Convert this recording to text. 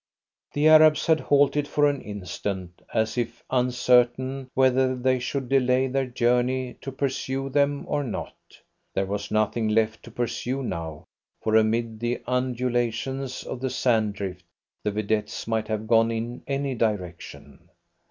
The Arabs had halted for an instant, as if uncertain whether they should delay their journey to pursue them or not. There was nothing left to pursue now, for amid the undulations of the sand drift the vedettes might have gone in any direction.